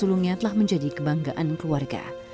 sulungnya telah menjadi kebanggaan keluarga